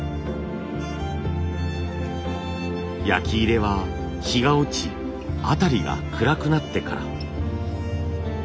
焼き入れは日が落ち辺りが暗くなってから。